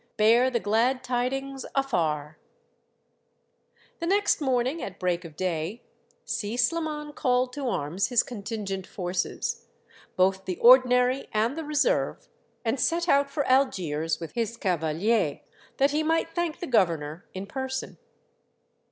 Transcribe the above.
Bear the glad tidings afar !" The next morning, at break of day, Si Sliman called to arms his contingent forces, both the ordi nary and the reserve, and set out for Algiers with his cavaliers, that he might thank the governor in person.